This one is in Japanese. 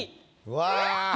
うわ。